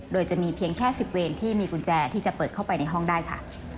โดยจะมีเพียงแค่๑๐เวนที่มีกุญแจที่จะเปิดเข้าไปในห้องได้ค่ะ